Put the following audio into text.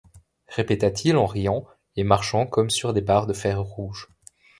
répéta-t-il en riant et marchant comme sur des barres de fer rouge.